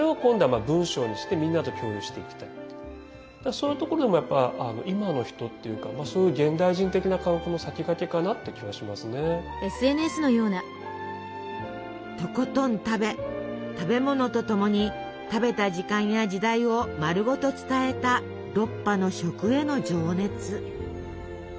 そういうところでもやっぱ今の人っていうかとことん食べ食べ物とともに食べた時間や時代を丸ごと伝えたロッパの食への情熱。